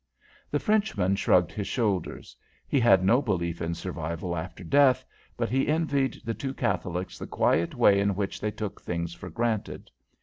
The Frenchman shrugged his shoulders. He had no belief in survival after death, but he envied the two Catholics the quiet way in which they took things for granted.